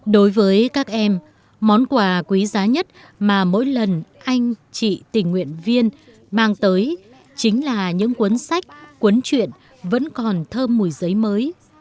đối với các em món quà quý giá nhất mà mỗi lần anh chị tình nguyện viên mang tới chính là những cuốn sách cuốn chuyện vẫn còn thơm mùi giấy mới